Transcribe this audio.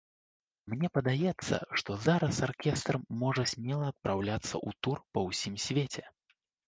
Мне падаецца, што зараз аркестр можа смела адпраўляцца ў тур па ўсім свеце.